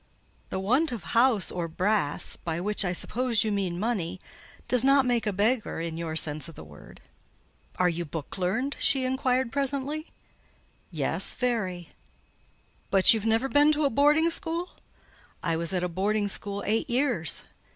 "The want of house or brass (by which I suppose you mean money) does not make a beggar in your sense of the word." "Are you book learned?" she inquired presently. "Yes, very." "But you've never been to a boarding school?" "I was at a boarding school eight years."